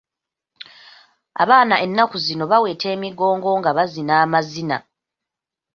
Abaana ennaku zino baweta emigongo nga bazina amazina.